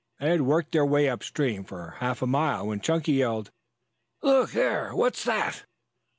They had worked their way upstream for half a mile when Chunky yelled: "Look there! What's that?"